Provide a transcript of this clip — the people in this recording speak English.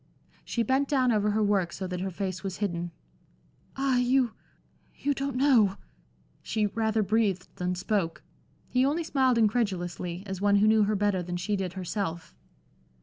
She bent down over her work so that her face was hidden. "Ah, you you don't know" she rather breathed than spoke. He only smiled incredulously, as one who knew her better than she did herself.